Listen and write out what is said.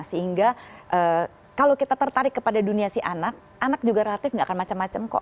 sehingga kalau kita tertarik kepada dunia si anak anak juga relatif nggak akan macam macam kok